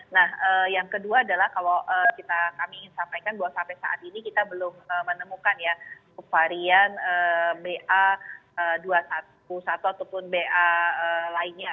nah yang kedua adalah kalau kami ingin sampaikan bahwa sampai saat ini kita belum menemukan ya varian ba dua ratus satu ataupun ba lainnya